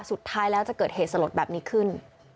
สุดท้ายแล้วจะเกิดเหตุสลดแบบนี้ขึ้น